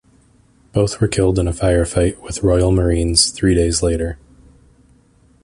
Both were killed in a firefight with Royal Marines three days later.